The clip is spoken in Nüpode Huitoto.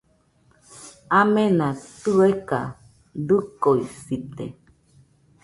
Amena tɨeka dɨkoɨsite